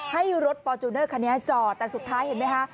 ให้รถฟอร์จูเนอร์คันนี้จอดแต่สุดท้ายเห็นไหมคะ